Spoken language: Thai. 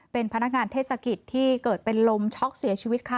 เป็นพนักงานเทศกิจที่เกิดเป็นลมช็อกเสียชีวิตค่ะ